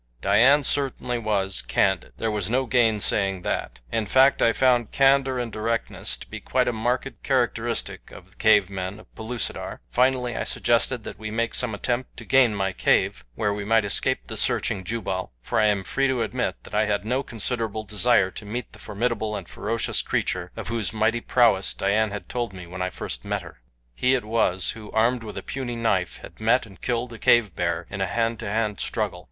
Dian certainly was candid. There was no gainsaying that. In fact I found candor and directness to be quite a marked characteristic of the cave men of Pellucidar. Finally I suggested that we make some attempt to gain my cave, where we might escape the searching Jubal, for I am free to admit that I had no considerable desire to meet the formidable and ferocious creature, of whose mighty prowess Dian had told me when I first met her. He it was who, armed with a puny knife, had met and killed a cave bear in a hand to hand struggle.